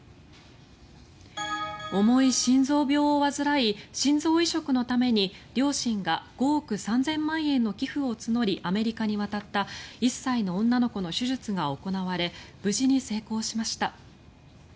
重い心臓病を患い心臓移植のために両親が５億３０００万円の寄付を募りアメリカに渡った１歳の女の子の手術が行われ無事に成功しました。